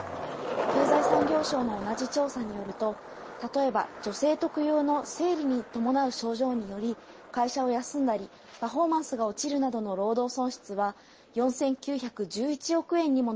経済産業省の同じ調査によると例えば、女性特有の生理に伴う症状により、会社を休んだりパフォーマンスが落ちるなどの労働損失は４９１１億円にも